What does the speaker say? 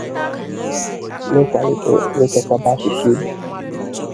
n'ịkwàlite na ichekwaba asụsụ Igbo